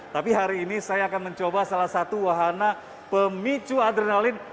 tapi hari ini saya akan mencoba salah satu wahana pemicu adrenalin